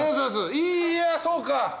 いやそうか。